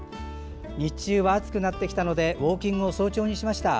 日中は暑くなってきたのでウォーキングを早朝にしました。